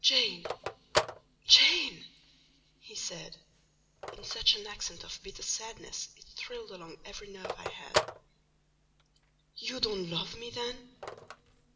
"Jane! Jane!" he said, in such an accent of bitter sadness it thrilled along every nerve I had; "you don't love me, then?